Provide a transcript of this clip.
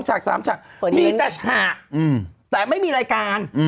ช่างสามมีแต่ช่างอืมแต่ไม่มีรายการอืม